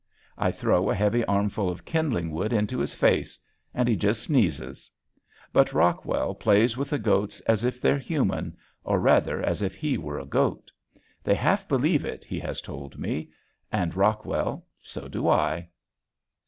I throw a heavy armful of kindling wood into his face and he just sneezes. But Rockwell plays with the goats as if they're human, or rather, as if he were goat. They half believe it, he has told me, and, Rockwell, so do I.